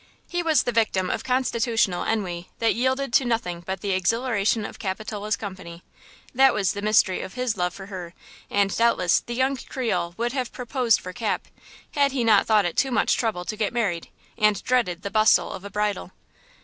He was the victim of constitutional ennui that yielded to nothing but the exhilaration of Capitola's company; that was the mystery of his love for her and doubtless the young Creole would have proposed for Cap, had he not thought it too much trouble to get married and dreaded the bustle of a bridal.